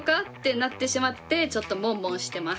なってしまってちょっとモンモンしてます。